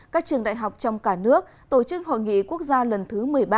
các trường đại học trong cả nước tổ chức hội nghị quốc gia lần thứ một mươi ba